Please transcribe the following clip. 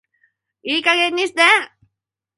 いい加減にして